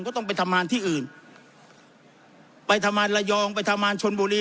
ก็ต้องไปทำงานที่อื่นไปทำงานระยองไปทำงานชนบุรี